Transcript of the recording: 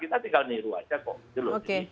kita tinggal neru saja kok